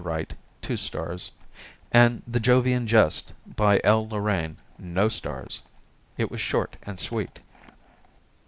Wright, two stars, and "The Jovian Jest," by L. Lorraine, no stars. It was short and sweet.